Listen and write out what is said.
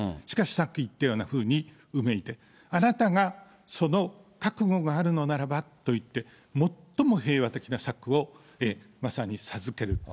しかしさっき言ったようなふうにうめいて、あなたがその覚悟があるのならばと言って、最も平和的な策をまさに授ける。